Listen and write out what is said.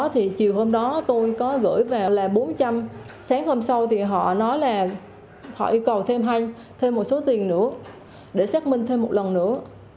thì chiều hôm đó tôi có gửi vào là bốn trăm linh sáng hôm sau thì họ nói là họ còn thêm một số tiền nữa để xác minh thêm một lần nữa